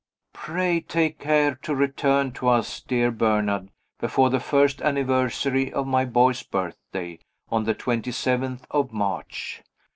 "Pray take care to return to us, dear Bernard, before the first anniversary of my boy's birthday, on the twenty seventh of March."